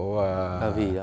bà vy ạ